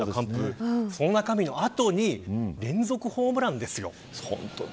そんな後に連続ホームランですよ。